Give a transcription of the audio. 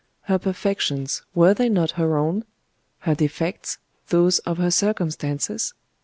Her perfections, were they not her own? her defects, those of her circumstances?....